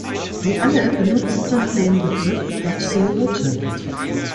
Sie alle benutzten den Begriff "Patrioten".